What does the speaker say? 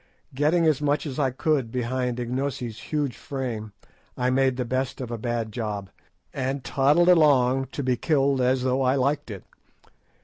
Getting as much as I could behind Ignosi's huge frame, I made the best of a bad job, and toddled along to be killed as though I liked it.